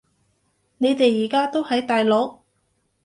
你哋而家都喺大陸？